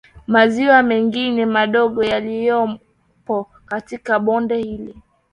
Maziwa mengine madogo yaliyopo katika bonde hili